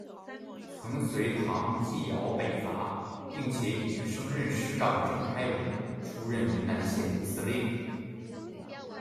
曾随唐继尧北伐并且已经升任师长的郑开文出任云南宪兵司令。